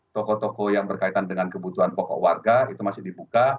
toko toko yang berkaitan dengan kebutuhan pokok warga itu masih dibuka